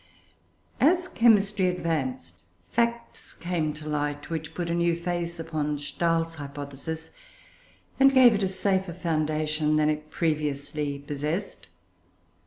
As chemistry advanced, facts came to light which put a new face upon Stahl's hypothesis, and gave it a safer foundation than it previously possessed.